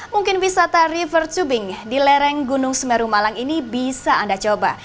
mungkin wisata river tubing di lereng gunung semeru malang ini bisa anda coba